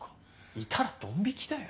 いたらドン引きだよ。